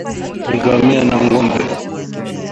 ngamia na ngombe